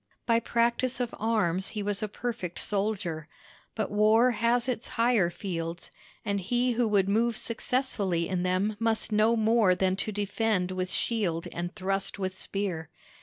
By practice of arms he was a perfect soldier; but war has its higher fields, and he who would move successfully in them must know more than to defend with shield and thrust with spear.